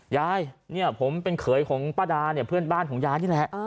ยายเนี่ยผมเป็นเขยของป้าดาเนี่ยเพื่อนบ้านของยายนี่แหละ